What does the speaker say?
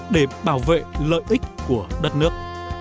để bảo vệ lợi ích của đất nước